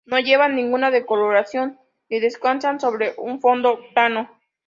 No llevan ninguna decoración y descansan sobre un fondo plano.